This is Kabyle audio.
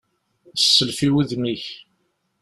Sself i wudem-ik!